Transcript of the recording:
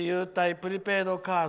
プリペイドカード